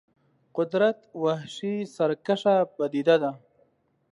قدرت وحشي سرکشه پدیده ده.